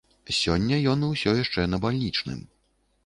Сёння ён усё яшчэ на бальнічным.